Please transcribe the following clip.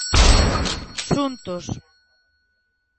Xuntos.